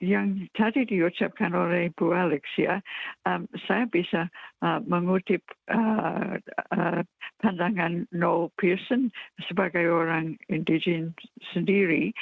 yang tadi diucapkan oleh bu alexia saya bisa mengutip pandangan noel pearson sebagai orang indijen sendiri